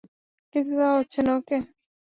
কিন্তু তা হচ্ছে না, ওকে?